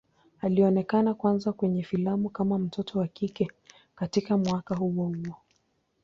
Alionekana kwanza kwenye filamu kama mtoto wa kike katika mwaka huo huo.